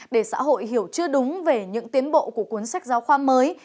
để xã hội hiểu chưa đúng về những tiến bộ của cuốn sách giáo khoa mới